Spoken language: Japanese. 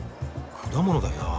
果物だよな。